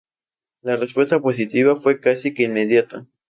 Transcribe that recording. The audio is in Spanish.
La respuesta positiva fue casi que inmediata.